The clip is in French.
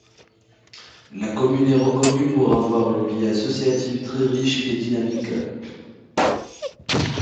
La commune est reconnue pour avoir une vie associative très riche et dynamique.